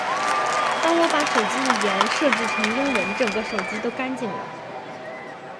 当我把手机语言设置成英文，整个手机都干净了